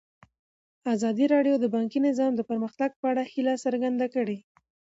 ازادي راډیو د بانکي نظام د پرمختګ په اړه هیله څرګنده کړې.